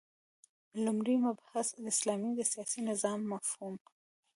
لومړی مبحث : د اسلام د سیاسی نظام مفهوم